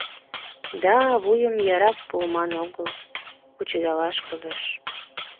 — Да, вуйым ярак пуыман огыл, кучедалаш кӱлеш.